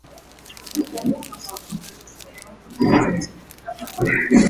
Makao ya ofisi za ubalozi yalikuwa Mjini Zanzibar